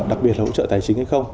đặc biệt là hỗ trợ tài chính hay không